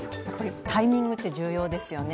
タイミングって重要ですよね